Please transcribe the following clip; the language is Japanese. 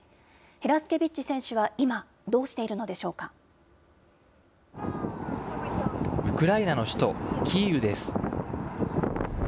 ヘラスケビッチ選手は今、どうしウクライナの首都キーウです。